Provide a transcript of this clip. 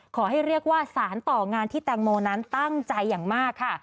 ขอให้เรียกว่าสารต่องานที่แตงโมนั้นตั้งใจอย่างมากค่ะ